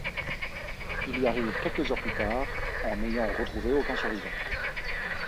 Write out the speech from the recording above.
Il y arrive quelques heures plus tard en n'ayant retrouvé aucun survivant.